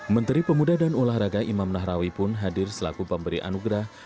menteri pemuda dan olahraga imam nahrawi pun hadir selaku pemberi anugerah